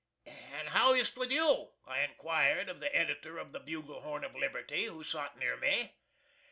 "And how ist with you?" I inquired of the editor of the "Bugle Horn of Liberty," who sot near me.